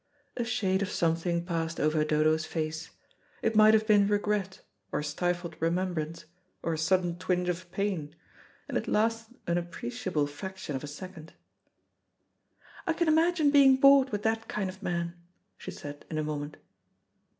A shade of something passed over Dodo's face. It might have been regret, or stifled remembrance, or a sudden twinge of pain, and it lasted an appreciable fraction of a second. "I can imagine being bored with that kind of man," she said in a moment.